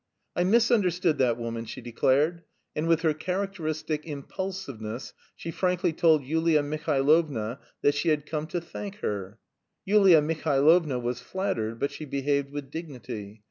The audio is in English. "I misunderstood that woman," she declared, and with her characteristic impulsiveness she frankly told Yulia Mihailovna that she had come to thank her. Yulia Mihailovna was flattered, but she behaved with dignity.